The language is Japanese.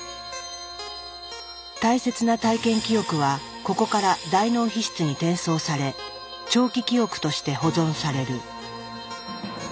大切な体験記憶はここから大脳皮質に転送され長期記憶として保存される。